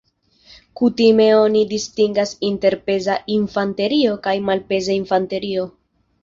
Kutime oni distingas inter peza infanterio kaj malpeza infanterio.